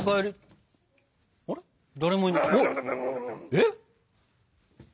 えっ？